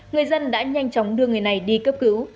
người dân đã nhanh chóng đưa người này đi cấp cứu